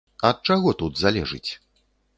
Ад чаго тут залежыць?